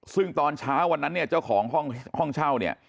ซึ่งตอนเช้าวันนั้นเจ้าของห้องเช่า